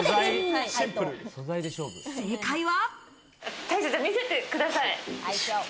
正解は。